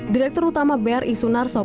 direktur utama bri sunal